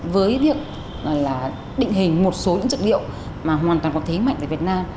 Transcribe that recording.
với việc là định hình một số những dược liệu mà hoàn toàn có thế mạnh về việt nam